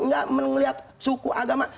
enggak melihat suku agama